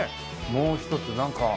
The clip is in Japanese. もう一つなんか。